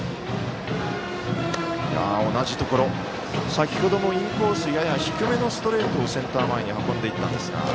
先ほどもインコースやや低めのストレートをセンター前に運んでいったんですが。